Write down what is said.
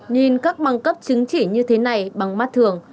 nhìn các băng cấp chứng chỉ như thế này bằng mắt thường